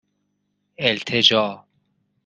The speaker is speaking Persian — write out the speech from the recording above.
اِلتِجا